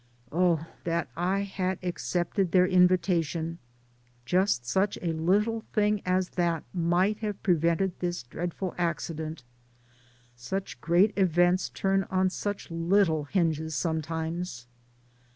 Oh, that I had accepted their invitation ; just such a little thing as that might have prevented this dreadful accident. Such great events turn on such little hinges sometimes.